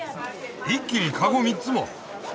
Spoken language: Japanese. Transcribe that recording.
一気にカゴ３つも。